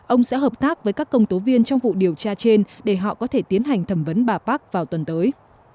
ông sẽ hợp tác với các công tố viên trong vụ điều tra trên để họ có thể tiến hành thẩm vấn bà park vào tuần tới